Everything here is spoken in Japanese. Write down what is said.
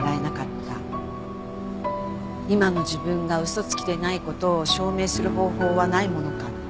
今の自分が嘘つきでない事を証明する方法はないものか。